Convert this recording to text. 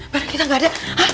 barang kita gak ada